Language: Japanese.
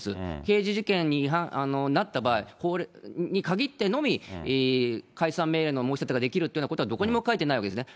刑事事件になった場合に限ってのみ、解散命令の申し立てができるというのはどこにも書いてないわけですね。